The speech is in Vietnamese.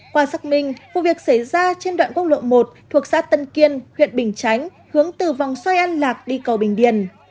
qua xác minh vụ việc xảy ra trên đoạn quốc lộ một thuộc xã tân kiên huyện bình chánh hướng từ vòng xoay an lạc đi cầu bình điền